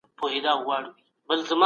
سایبر امنیتي انجنیران د نوښت لارې جوړوي.